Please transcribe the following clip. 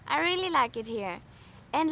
aku suka banget di sini